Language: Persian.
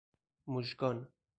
مژگان